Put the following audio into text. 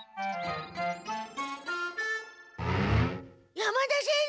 山田先生